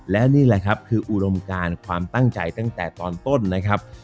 และนี่แหละครับคืออุดมการความตั้งใจตั้งแต่ตอนต้นนะครับ